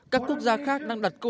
các quốc gia khác đang đặt công